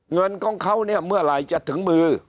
เงินของเขาเนี่ยเมื่อไหร่จะถึงมือ